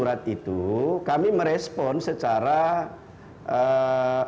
dalam kosong wasaho zhou siash michael